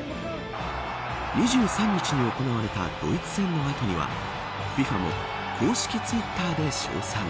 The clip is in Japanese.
２３日に行われたドイツ戦の後にはＦＩＦＡも公式ツイッターで称賛。